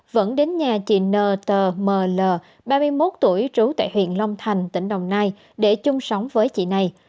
vẫn đến nhà chị n t m l ba mươi một tuổi trú tại huyện long thành tỉnh đồng nai để chung sống với chị này